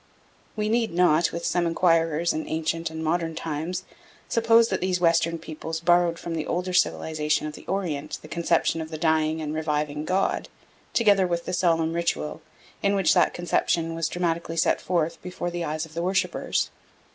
We need not, with some enquirers in ancient and modern times, suppose that these Western peoples borrowed from the older civilisation of the Orient the conception of the Dying and Reviving God, together with the solemn ritual, in which that conception was dramatically set forth before the eyes of the worshippers.